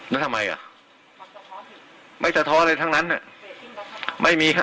แล้วทำไมไม่จะท้ออะไรทั้งนั้นไม่มี